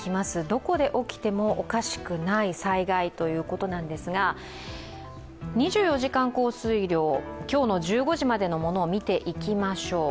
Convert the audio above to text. どこで起きてもおかしくない災害ということなんですが、２４時間降水量、今日の１５時までのものを見ていきましょう。